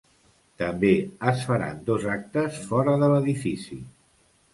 També es faran dos actes fora de l’edifici.